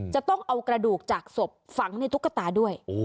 จะต้องเอากระดูกจากศพฝังในตุ๊กตาด้วย